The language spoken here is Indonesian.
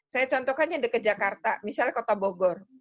saya contohkan yang dekat jakarta misalnya kota bogor